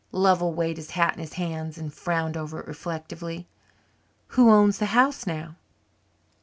Lovell weighed his hat in his hands and frowned over it reflectively. "Who owns the house now?"